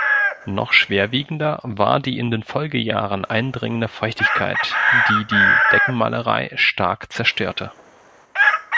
Noch schwerwiegender war die in den Folgejahren eindringende Feuchtigkeit, die die Deckenmalerei stark zerstörte.